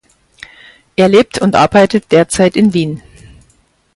Er lebt und arbeitet derzeit in Wien.